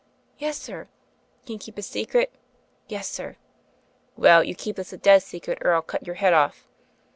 "Yes, sir." "Can you keep a secret?" "Yes, sir." "Well, you keep this a dead secret, or I'll cut your head off.'